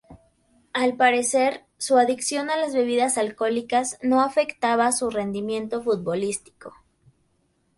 Al parecer, su adicción a las bebidas alcohólicas no afectaba su rendimiento futbolístico.